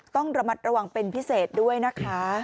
ต้องระมัดระวังเป็นพิเศษด้วยนะคะ